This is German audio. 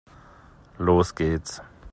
Los geht's!